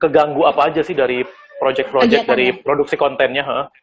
keganggu apa aja sih dari project project dari produksi kontennya